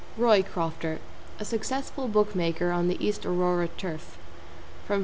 =ROYCROFTER= A successful book maker on the East Aurora turf. From Fr.